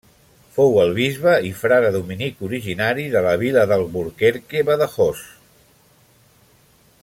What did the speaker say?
Fou el bisbe i frare dominic originari de la vila d'Alburquerque, Badajoz.